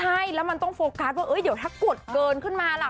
ใช่แล้วมันต้องโฟกัสว่าเดี๋ยวถ้ากดเกินขึ้นมาล่ะ